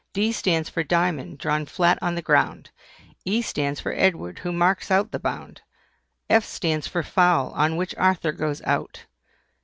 D stands for DIAMOND drawn flat on the ground. E stands for EDWARD, who marks out the bound. F stands for FOUL on which Arthur goes out.